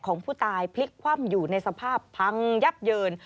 ของผู้ตายพลิกคว่ำอยู่ในสภาพพังยับเยิน